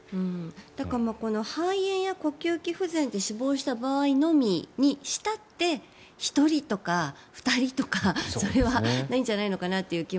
だから、肺炎や呼吸器不全で死亡した場合のみにしたって１人とか２人とか、それはないんじゃないかという気も。